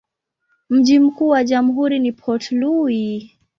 Mji mkuu wa jamhuri ni Port Louis.